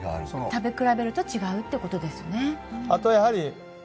食べ比べると違うってことですね。